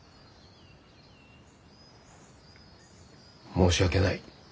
申し訳ない。